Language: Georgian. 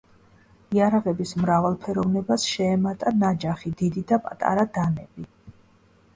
იარაღების მრავალფეროვნებას შეემატა ნაჯახი, დიდი და პატარა დანები.